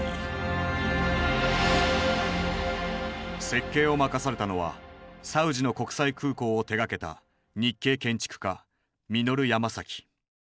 設計を任されたのはサウジの国際空港を手がけた日系建築家ミノル・ヤマサキ。